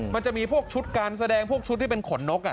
มันจะมีพวกชุดการแสดงพวกชุดที่เป็นขนนก